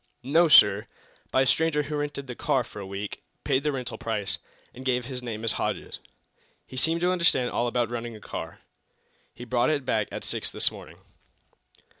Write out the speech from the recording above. "No, sir! By a stranger who rented the car for a week, paid the rental price, and gave his name as Hodges. He seemed to understand all about running a car. He brought it back at six this morning."